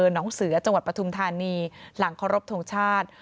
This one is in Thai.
หนองเสือจังหวัดประธุมธานีหลังข้อรบทรงชาติ